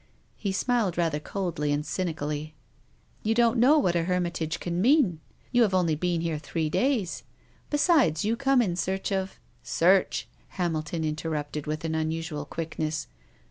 He smiled rather coldly and cynically. " You don't know what a hermitage can mean. You have only been here three days. Besides, you come in search of —"" Search !" Hamilton interrupted, with an un usual quickness.